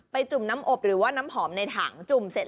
จุ่มน้ำอบหรือว่าน้ำหอมในถังจุ่มเสร็จ